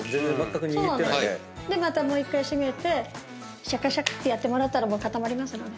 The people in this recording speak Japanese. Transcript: またもう１回閉めてシャカシャカッてやってもらったらもう固まりますので。